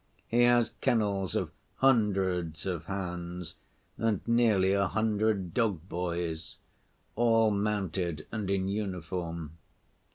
He has kennels of hundreds of hounds and nearly a hundred dog‐boys—all mounted, and in uniform.